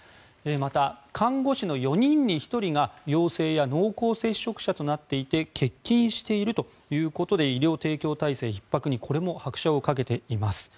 また、看護師の４人に１人が陽性や濃厚接触者となっていて欠勤しているということで医療提供体制のひっ迫にこれも拍車をかけています。